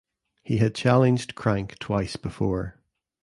He had challenged Crank twice before.